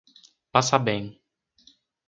Passabém